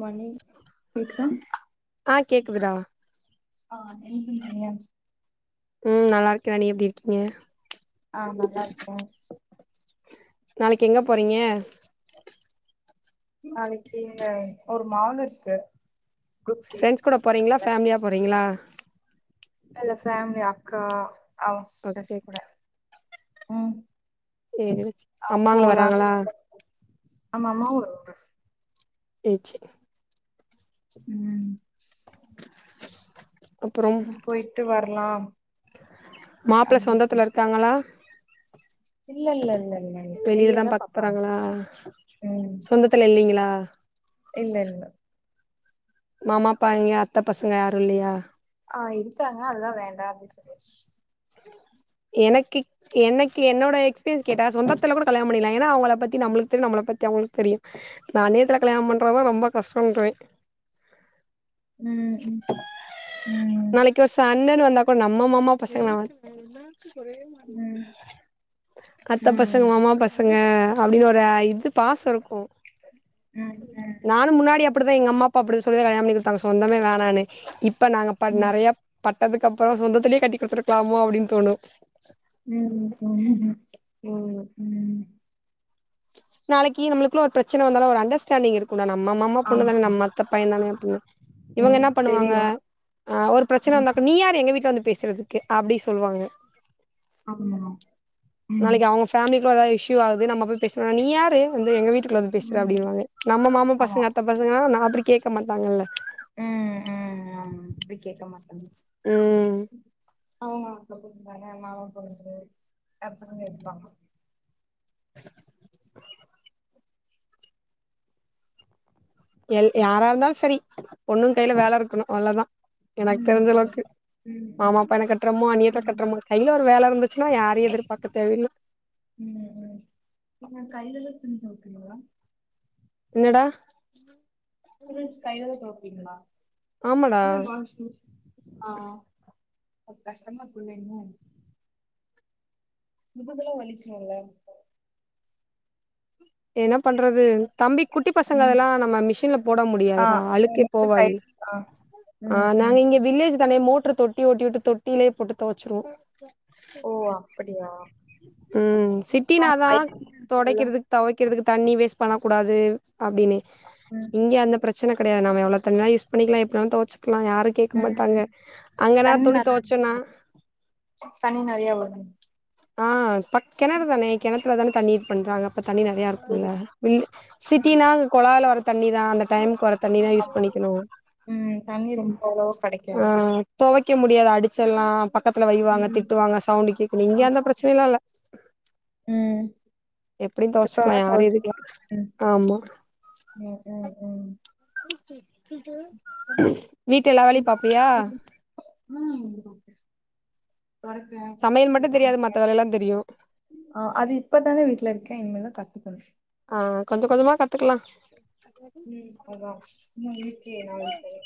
மணி கேக்குதா ஆ கேக்குதுடா ஆ என்ன பண்றீங்க ம் நல்லா இருக்கேடா நீ எப்டி இருக்கீங்க ஆ நல்லா இருக்கே நாளைக்கு எங்க போறீங்க நாளைக்கு இங்க ஒரு மால் இருக்கு குரூப் ஃபீஸ் ஃப்ரெண்ட்ஸ் கூட போறீங்ளா பக்கத்துல ஃபேம்லியா போறீங்ளா இல்ல ஃபேம்லி அக்கா அவுங்க சிஸ்டர்ஸ் ஓகே கூட ம் சேரி அம்மாங்களு போலனு வராங்களா இருக்கே ஆமா அம்மாவு வருவாங்க சேர் சேரி ம் அப்புறம் பொய்ட்டு வர்லா மாப்ள சொந்தத்துல இருக்காங்ளா இல்ல இல்ல இல்ல இல்ல வெளியில வெளியே தா பாக்க பாப்பாங்க போறாங்களா ம் சொந்தத்துல இல்லைங்ளா இல்ல இல்ல மாமாப் பைய அத்த பசங்க யாரு இல்லயா ஆ இருக்காங்க அதுதா வேண்டா அப்டி சொல்லியாச்சி எனக்கு எனக்கு என்னோட எக்ஸ்பீரியன்ஸ் கேட்டா சொந்தத்துல கூட கல்யானோ பண்ணிக்லா ஏனா அவுங்கள பத்தி நம்ளுக்கு தெரியு நம்ள பத்தி அவுங்களுக்கு தெரியு அன்னியத்துல கல்யாணோ பண்றவங்கதா ரொம்போ கஷ்டோன்றுவே ம் ம் நாளைக்கு ஒரு சண்டன்னு வந்தா கூட நம்ம மாமா பசங்க ம் அத்த பசங்க ம் ம் மாமா பச ங்க அப்டின்னு ஒரு இது பாசோ இருக்கு ம் ம் நானு முன்னாடி அப் அப்டிதா எங்க அம்மா அப்பா அப்டி சொல்லி கல்யாண பண்ணி குடுத்தாங்க சொந்தமே வேணான்னு இப்ப நாங்க ப ம் நெறைய பட்டதுக்கு அப்பறோ சொந்தத்துலே கட்டி குடுத்துருக்கலாமோ அப்டின் தோணு ம் [unintelligible] ம் நாளிக்கு நம்மளுக்குள்ள ஒரு பிரச்சன வந்தாலு ஒரு அண்டர்ஸ் டான்டிங் இருக்குல நம்ம மாமா பொண்ணு ஆமா தானே நம்ம அத்த பையந் தானே அப்டினு இவங்க ம் என்ன பண்ணுவாங்க தெரியு அ ஒரு பிரச்சன ம் வந்தாக்கா நீ யாரு எங்க வீட்ல வந்து பேசுறது க்கு அப்டி சொல்லுவாங்க ஆம்மா நாளைக்கு அவங்க ஃபேமிலிக்குள்ள எதா இஸ்யூ ஆகுது நம்ம போய் பேசுனா நீ யாரு வந்து எங்க வீட் டுகுள்ள வந் பேசுற ம் அப்டின்வாங்க நம்ம மாமா ஆமா பசங்க அத்த பசங்கனா நா அப்டி கேக்க மாட்டாங்கல்ல ம் ம் ம் இப்டி கேக்க மாட்டங்க ம் அவங்க அத்த பொண்ணுதான மாமா பொண்ணு கெடையாது அப்பறோ கேப்பாங்க [inaudible] எல் யாரா இருந்தாலு சரி பொண்ணுங் கைல வேல இருக்கணு அவ்ளோதா எனக் ம் ம் தெரிஞ்சளவுக்கு ம் மாமா பையன ம் கட்றமோ அண்ணியத்துல ம் கட்றமோ கைல ஒரு வேல இருந்துச்சுன்னா யாரையு எதிர்பார்க்க தேவயில்ல ம் ம் நம்ம கைலதா துணி தொவைக்கனுங்ளா என்னடா துணி கைலதா தொவப்பீங்ளா ஆமாடா இல்ல வாஷிங்மிசி ஆ அப் கஷ்டமாருக்குல்ல இன்னு முதுகெல்லா வலிக்குல என்ன பண்றது தம்பி குட்டி பசங்க ம் அதெல்லா நம்ம மிஷின்ல போட ஆ முடியாதுடா அழுக்கே நமக்கு கை போவாது ஆ ஆ ம், நாங்க ம். இங்க வில்லேஜ் தானே மோட்ரு தொட்டி ஓட்டி விட்டு தொட்டிலே போட்டு தொவச்சுருவோ ஓ! அப்படியா? ம் அப்ப அவங்க சிட்டினாதா வயல்னு இருக்குல்ல. தொடைக்கிறதுக் தொவைக்கிறதுக்கு தண்ணி வேஸ்ட் பண்ணக் கூடாது அப்டின்னு ம். இங்க அந்த பிரச் சன கெடையா நாம எவ்ளோ தண்ணிலா யூஸ் பண்ணிக்கலா எப்பனாலு தொவச்சிக்கலா யாரு கேக்க ம், மாட்டாங்க ம். அங்கனா தண்ணி துணி நல்லா தொவச்சன்னா இருக்குமா? தண்ணி நெறையா வரு ஆ ப கெணறு தானே கெணத்துல தானே தண்ணி இது பண்றாங்க அப்ப தண்ணி நெறைய இருக்குல்ல ம் ம். சிட்டின்னா அது கொழாலலே வர்ற தண்ணிதா அந்த டைமுக்கு வரு தண்ணிதா யூஸ் ஆமா. பண்ணிக்கணு ம். தண்ணி ரொம்ப அவ்வளவா ஆ கெடைக்காது. தொவைக்க முடியாது அடிச்சல்லா பக்கத்துல வைவாங்க ம். திட்டுவாங்க சவுண்ட் கேக்குணு இங்க அந்த ஆமா. பிரச்சனைல்லா இல்ல ம். எப்டினு எப்ப தொவச்சிக்கலா வேணா யாரு எதுக் தொவச்சுக்கலாம். கேக் ம். ஆமா ம் ம் ம் வீட்ல எல்லா வேலையு பாப்பியா ம் [unintelligible] தொறக்க சமையல் மட்டு தெரியாது மத்த வேலைல்லா தெரியு ஆ அது இப்பதானே வீட்ல இருக்கே இனிமேதா கத்துகனு ஆ கொஞ்சொ கொஞ்சமா கத்துக்கலா ம் அதா ம் வீட்லயே நா இருப்பே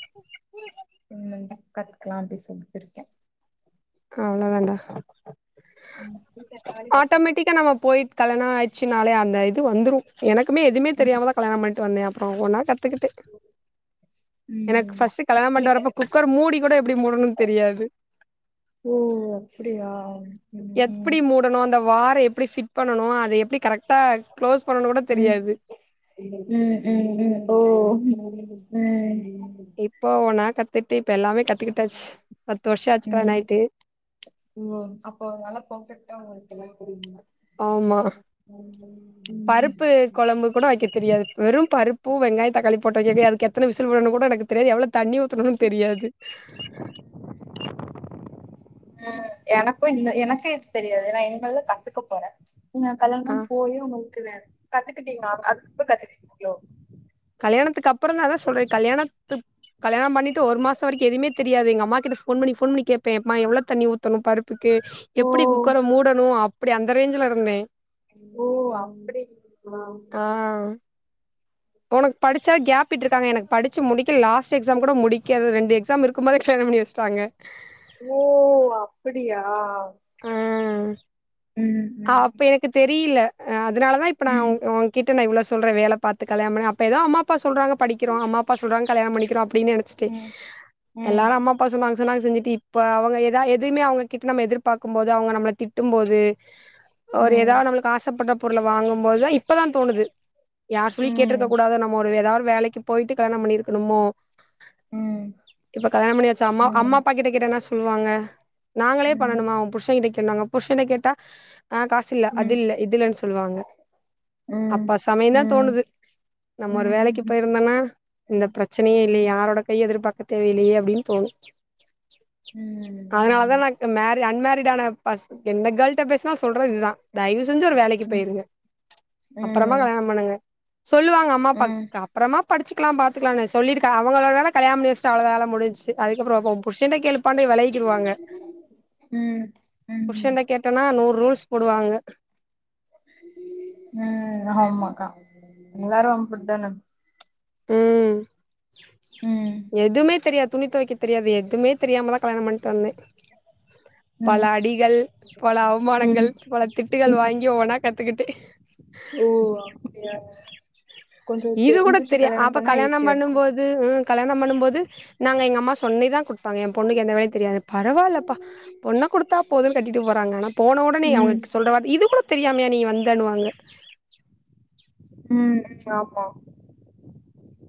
உன்ன ன்டெ கத் க்கலா அப்டின் சொல்ட்டு இருக்கே அவ்ளோ தாண்டா ம் [unintelligible] க்க நம்ம போயி கல்யாணம் ஆயிச்சுனாலே அந்த இது வந்துரூ எனக்குமே எதுமே ம். தெரியாம தா கல்யாணம் பண்ணிட்டு வந்தே அப்றோ ஒவ்வொன்னா கத்துக்கிட்டு எனக்கு ம். ப்ர்ஸ்ட் கல்யாணோ நீங்களே பண்ட்டு வரப்ப கத்துக்கிட்டீங்க. குக்கர் மூடி கூட எப்டி மூடணும்ன்னு தெரியாது ஓ அப்டியா எப்டி மூடணும் அந்த வார எப்டி ஃபிட் பண்ணனோ அது எப்டி கரெக்ட் கரெக்டா க்ளோஸ் பண்ணனோ கூட ம். தெரியாது ம் ம் ம் ம் இப்போ ஒவ்வெனா கத்துட்டு இப்ப எல்லாமே கத்துக்கிட்டாச்சு பத்து வருஷோ ஆச்சு கல்யாண ஆயிட்டு ம் ஓ அப்போ நல்லா பர்ஃபெக்ட்டா உங்களுக்கு எல்லாமே புரிஞ் ஆமா தா [inaudible] ம் கெலம்பு கூட வைக்க தெரியாது வெறும் பருப்பு வெங்காய தக்காளி போட்டு வைக்கற் துக்கோ எத்தன விசில் விடனூ கூட எனக்கு தெரியாது எவ்ளோ தண்ணி ஊத்தணுனூ தெரியாது எனக்கு இல்ல எனக்கூ இத்தெரியாது நா இனிமேதா கத்துக்க போறே நீங்க ஆ கல்யாணமாயி போய் உங்களுக்கு வேல கத்துக்கிட்டீங்களா அதுக்கப்புறோ கத்துக்கிட்டீங்களோ கல்யாணத்துக்கு அப்புறந் தா அதா சொல்றே கல்யாணத்துப் கல்யாண பண்ணிட்டு ஒரு மாச வரைக்கூ எதுவுமே தெரியாது எங்க அமாகிட்ட ஃபோன் பண்ணி ஃபோன் பண்ணி கேப்பே எவ்ளோ தண்ணி ஊத்தணூ பருப்புக்கு ஓ! எப்டி குக்கர மூடணூ அப்டி அந்த ரேஞ்ல இருந்தே ஓ அப்டிங்ளா ஆ உனக்கு படிச்சா கேப் இட்டு இருக்காங்க எனக்கு படிச்ச முடிக்க லாஸ்ட் எக்ஸாம் கூட முடிக்கறதுக் ரெண்டு எக்ஸாம் இருக்கு போதோ கல்யாண பண்ணி வச் சாங்க ஓ அப்டியா ஆ அப்ப ம், எனக்கு தெரியல ‌அ அதனாலதா இப்ப நா ம். உனக் கிட்ட நா இவ்ளோ சொல்றே வேல பாத்து கல்யாண பண்ணு அப்ப ஏதோ அம்மா அப்பா சொல்றாங்க படிகிறோ அம்மாப்பா சொல்றாக கல்யாண பண்ணிக்கிறோ அப்டினு நென ச்சுட்டு ம் ம் எல்லாரூ அம்மாப் அப்போ சொன்னாங்க சொன்னாங்க செஞ்சிட்டு இப்போ அவங்க எதா எதுமே அவங்ககிட்ட நம்ம எதிர்பாக்குபோது அவங்க நம்மள திட்டூ போது ஒரு ம் ஏதாவத் நம்மளுக்கு ஆசப்பட்ட பொருள வாங்கும்போத் தா இப் பதா தோணுது யார் ம் ம் சொல்லியூ கேட்டுருக்க கூடாது நம்ம ஒரு ஏதாவது வேலைக்கு போயிட்டு கல்யாண பண்ணிருக்கணோமோ ம் இப்ப கல்யாண பண்ணியாச்சி அம்மா அம்மா ம் அப்பா கிட்ட கேட்டா என்ன சொல்லுவாங்க நாங்களே ம் பண்ணணுமா உன் புருஷன் கிட்ட கேளுன்னுவாங்க புருஷங் கிட்ட கேட்டா ஆ காசு இல்ல அது ம் இல்ல இது இல்ல சொல்லுவாங்க ம் அப்ப சமயதா தோணுது நம்ம ஒரு ம் வேலைக்கு ம் போயிருந்தேனா இந்த ம் பிரச்சனையே ஆமா இல்லையே ம் யாரோட கைய எதிர்பார்க்க தேவையில்லையே அப்டின் தோணூ ம் ம் அதனாலதாந் நா மேக் அன்மேரிடான பஸ் எந்த கேள்ட்ட பேஸ் இதா சொல்றது இதுதா தயவு செஞ்சு ஒரு வேலைக்கு போயிருங்க அப்புறமா கல்யாண பண்ணுங்க சொல்லுவாங்க அம்மா அப்பா அப்புறமா படிச்சுக்கலா பாத்துக்கலா சொல்லிருக் அவங்களோட வேல கல்யாண பண்ணி வச்சிட்டா அவலா வேல முடிஞ்சுச்சு அதுக்கப்புறோ உன் புருஷன்ட கேளு பண்டு வெளகிக்கிடுவாங்க ம் ம் புருஷன்ட கேட்டனா நூற் ரூல்ஸ் போடுவாங்க ம் ஆமாக்கா எல்லாரூ அப்டிதான ம் ம் எதுமே தெரியாது துணி துவக்க தெரியாது எதுமே தெரியாம தா கல்யாணோ பண்ணிட்டு வந்தே பல ம் அடிகள் பல ம் அவமானங்கள் பல திட்டுகள் ம் வாங்கி ஒவ்வொன்னா கத்துக்கிட்டே ஓ அப்படியா கொஞ்சு தெரிஞ்சுட்டு கல்யாணம் பண்ணா ஈஸியா இருக்கு து கல்யாண பண்ணு போது நாங்க எங்க அம்மா சொல்லிதா கொடுத் பாங்க எ பொண்ணுக்கு எந்த வேலையு தெரியாது பரவாலப்பா பொண்ண குடுத்தா போதுன்னு கட்டிட்டு போறாங்க ஆனா போன ஒடனே ம் அவங்க சொல்ற வார்த்த இது கூட தெரியாமயா நீ வந்தண்ணுவாங்க ம் ஆமா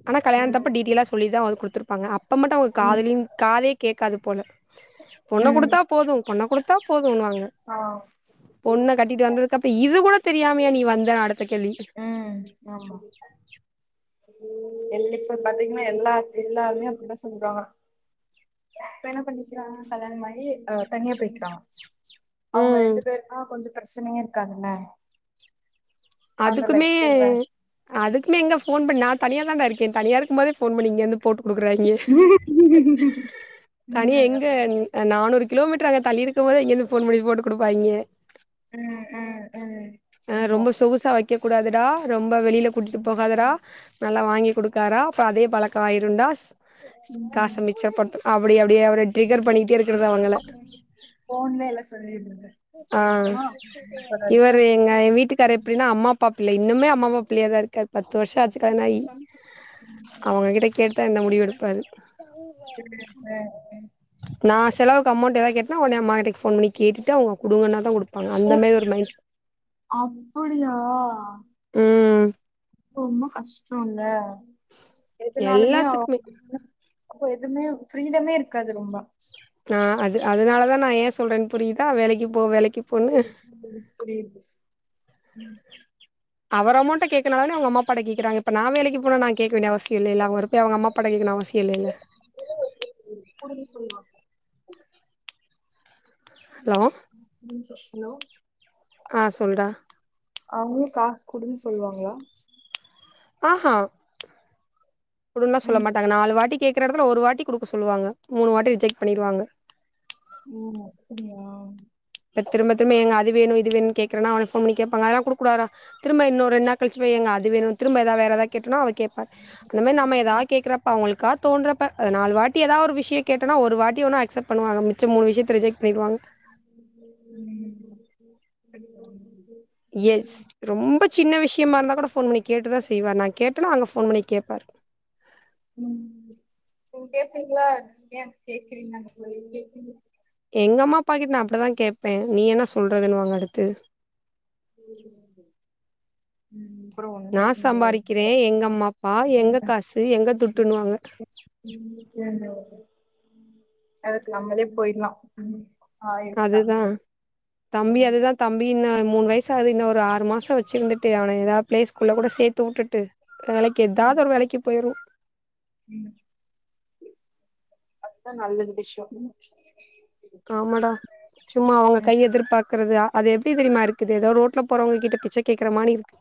ஆனா கல்யாணத்தப்ப ம் டீட்டயலா சொல்லிதா அவங்க கொடுத்திருப்பாங்க அப்ப மட்டு அவங்க ம் காதிலேயே காதே கேக்காது போல பொண்ண ம் குடுத்தா போது பொண்ண குடுத்தா போதுன்னுவாங்க பொண்ண கட்டிட்டு ஆ வந்ததுக்கு அப்ற இது கூட தெரியா வந்தா அடுத்த கேள்வி ம் ஆமா வெளிய போய் பாத்தீங்கன்னா எல்லா எல்லாருமே அப்டிதா சொல்றாங்க இப்ப என்ன பண்ணிக்கிறாங்க கல்யாண மாயி தனியா போயிருக்காங்க அவங்க ம் ரெண்டு பேருனா கொஞ்சு பிரச்சனையே இருக்காதுல அதுக்குமே ஸ்டைல் வேற அதுக்குமே எங்க ஃபோன் பண்ணி நா தனியா தான்டா இருக்கே தனியா இருக்கு போதே போன் பண்ணி இங்கே வந்து போட்டு குடுக்குறாங்க ம் ம் தனியா எங்க நானூரு கிலோமீட்டர் அங்க தள்ளி இருக்கு போதே இங்கிருந்து போன் பண்ணி போட்டு குடுப்பாங்க ம் ம் ம் ஆமா தொவைக்க கூடாதுடா ரொம்ப வெளியில கூட்டிட்டு போகாதடா நல்லா வாங்கி கொடுக்காரா அப்புறோ அதே பழக்கோ ஆருண்டா ம் காச மிச்சப்படுத்து அப்படி அப்படியே அவர ட்ரிகர் பண்ணிகிட்டே இருக்கிறத அவங்கள போன்லேயே எல்லா சொல்லிருது ஆ இவரு எங்க எ வீட்டுக்காரு எப்படின அம்மாப்ப பிள்ள இன்னுமே அம்மா அப்பா பிள்ளையா தா இருக்காரு பத்து வருஷோ ஆச்சு கல்யாண ஆயி அவங்க கிட்ட கேட்டு எந்த முடிவு எடுப்பாரு எப்பிடி எம்ப நா செலவுக்கு அமொண்ட் எதாவது கேட்டேன்னா ஒடனே அம்மா கிட்ட போன் பண்ணி கேட்டுட்டு அவங்க குடுங்கனாதா குடுப் ஓ அப்புடியா ம் ரொம்ப கஷ்டோ இல்ல எதனாலுமே அவ எல்லாத்துக்குமே அப்போ எதுவுமே ஃப்ரீடமே இருக்காது ரொம்ப நா அது அதனாலதா நா ஏ சொல்றே புரியுதா வேலைக்கு போ வேலைக் ம் புரியுது புரியுது ம் அவர் அமொண்ட்ட கேக்கறதுனால அவங்க அம்மா அப்பாகிட்ட கேக்குறாங்க இப்ப நா வேலைக்கு போன நா கேட்க வேண்டிய அவசி இல்ல இல்ல அவங்க இருப்ப அவங்க அம்மா அப்பாகிட்ட கேட்கணுனு அவசியோ இல்லல்ல புரியிது சும்மா ஹலோ ம் ஹலோ ஆ சொல்டா அவங்களுகாசு குடுன்னு சொல்லுவாங்கள ஆ ஆ குடுன்னா சொல்ல ம் மாட்டாங்க நாலு வாட்டி கேக்கூர எடத்துல ஒரு வாட்டி குடுக்க சொல்லுவாங்க மூணு வாட்டி ரிஜக்ட் பண்ணடுவாங்க ஓ அப்படியா இப்ப திரும்ப திரும்ப ஏங்க அது வேணு இது வேணுனு கேக்குறனா அவன ஃபோன் பண்ணி கேப்பாங்க அதல்லா குடுக்ககூடாதுடா திரும்ப இன்னொ ரெண்டு நாள் கழிச்சு போய் ஏங்க அது வேணு திரும்ப எதாவ வேறதாவது கேட்டனா அவரு கேப்பாரு அந்தமாரி நம்ம எதாவது கேக்குறப்போ அவங்களுக்கா தோன்றப்ப நாலு வாட்டி ஏதா ஒரு விஷியோ கேட்டன்னா ஒரு வாட்டி வேனா அக்செப்ட் பண்ணுவாங்க மிச் இத்த மூணு விஷியத்த ரிஜக்ட் பண்ணிருவாங்க ம் ம் எஸ் ரொம்ப சின்ன விஷயமா இருந்தா கூட ஃபோன் பண்ணி கேட்டுதா செய்வாரு நா கேட்டனே அங்க ஃபோன் பண்ணி கேப்பாரு உம் உ பேசுறீங்களா ஏ பேசுறீங்க அங்க போய் கே எங்கம்மா அப்பா கிட்ட நா அப்டிதா கேப்பே நீ என்ன சொல்ரதுனுவாங்க அடுத்து [inaudible] உம் அப்றோஒண்ணு நா பேச முடியாது சம்பாரிக்கிறே அதுக்கப்புறோ எங்க அம்மா அப்பா எங்க காசு எங்க துட்டுன்னுவாங்க அதுக்கு நம்மலே போயிரலா அதுதா தம்பி அதுதா தம்பி இன்னு மூணு வயசுஆகுது இன்னொ ஒரு ஆறு மாசோ வச்சுருந்துட்டு அவன எதாவது பிளே ஸ்கூள்ள கூட சேத்து வுட்டுட்டு வேலைக்கு எதாவது ஒரு வேலைக்கு போயிருவே ம் அதுதா நல்லது விஷயோ ஆமாடா சும்மா அவங்க கைய எதிர்பாக்கறது அது எப்டி தெரியுமா இருக்குது எதோ ரோட்ல போறவங்க கிட்ட பிச்ச கேக்குற மாரி இருக்கு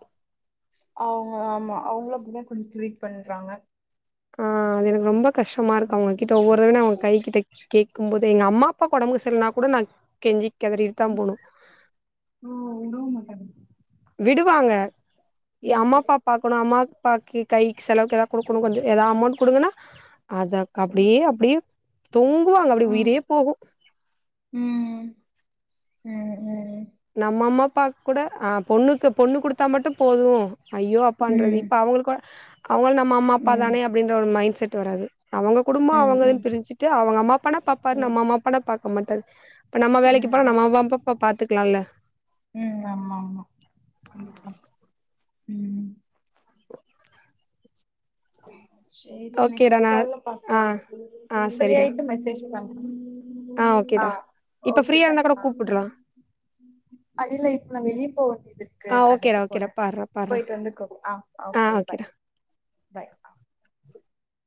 ஆ ஹ ஆமா அவங்களு அப்டிதா கொஞ்சோ ட்ரீட் பண்றாங்க ஆ அது எனக்கு ரொம்ப கஷ்டமா இருக்கு அவனுக்கு இப்ப ஒவ்வொரு தரவயு நா ஒ கை கிட்ட கேட்கும் போது எங்க அம்மா அப்பா உடம்பு சரியில்லனா கூட நா கெஞ்சி கதிரிட்டு தா போணு ஓ விடவும்மாட்டேங்குது விடுவாங்க எ ம் அம்மாப்பா பாக் ஒரு அம்மாப்பாக்கு கைக்கு செலவுக்கு எதாவது கொடுக்கணு கொஞ்சோ எதா அமௌண்ட் கொடுங்கன்னா அத அப்டியே அப்டியே தூங்குவாங்க அப்டி ம் உயிரே போகு ம் ம் ம் நம்ம அம்மாப்பா கூட அ பொண்ணுக்கு பொண்ணு குடுத்தா மட்டு போது ஐயோ ம் அப்பான்றது ம் இப்ப அவங்களுக்கு அவங்களு நம்ம அம்மா அப்பா ம் தானே அப்படின்ற ஒரு மைண்ட் செட் வராது அவுங்க குடும்போ ம் அவுங்கனு பிரிச்சுட்டு அவுங்க அம்மா அப்பானா பாப்பாரு ம் ம் நம்ம அம்மாப்பானா பாக்க மாட்டாரு இப்போ நம்ம வேலைக்கு போனா நம்ம அம்மாப்பா பாத்துக்கலாள உம் ஆமா ஆமா கண்டிப்பா உம் சேரி ஓகேடா நெக்ஸ்ட் நா கால்ல ஆ பாக்லா ஃபிரீ ஆயிட்டு மெசேஜ் பன்றே ஆஹ் ஓ கேடா இப்ப ஃப்ரீயா இருந்தா கூட கூப்புட்ரா அது இல்ல இப்ப நா வெளிய போவேண்டியது இருக்கு கடைக்கு ஓகேடா ஓகேடா போறே பார்றா பார்றா போய்ட்டு வந்து கூ ஆ ஆ ஓகே ஓகேடா பாய் பாய்